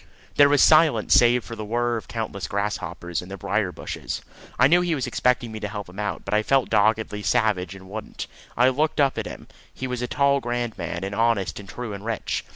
There was silence save for the whirr of the countless grasshoppers in the brier bushes. I knew he was expecting me to help him out, but I felt doggedly savage and wouldn't. I looked up at him. He was a tall grand man, and honest and true and rich.